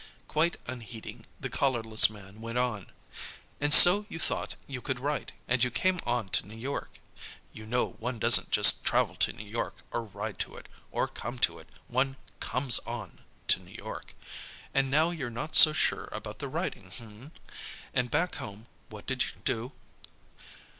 Quite unheeding, the collarless man went on, "And so you thought you could write, and you came on to New York (you know one doesn't just travel to New York, or ride to it, or come to it; one 'comes on' to New York), and now you're not so sure about the writing, h'm? And back home what did you do?"